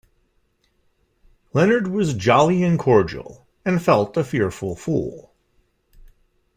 Leonard was jolly and cordial, and felt a fearful fool.